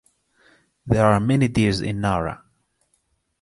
There are many dears in Nara.